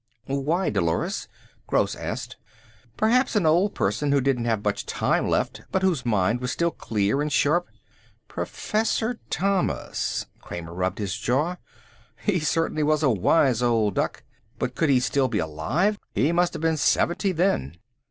"Why, Dolores?" Gross asked. "Perhaps an old person who didn't have much time left, but whose mind was still clear and sharp " "Professor Thomas." Kramer rubbed his jaw. "He certainly was a wise old duck. But could he still be alive? He must have been seventy, then."